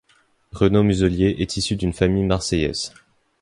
Renaud Muselier est issu d'une famille marseillaise.